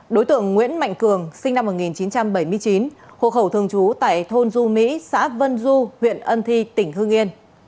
đối tượng nguyễn mạnh cường sinh năm một nghìn chín trăm bảy mươi chín hộ khẩu thường trú tại thôn du mỹ xã vân du huyện ân thi tỉnh hương yên